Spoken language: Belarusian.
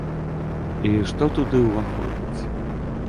І што туды ўваходзіць?